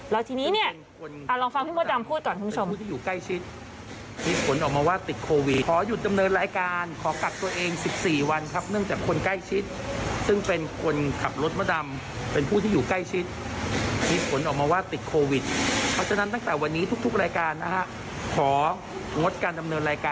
แล้วทีนี้เนี่ยอ่าลองฟังพี่มดดำพูดก่อนคุณผู้ชม